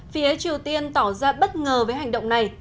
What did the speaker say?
phía triều tiên tỏ ra bất ngờ với hành động này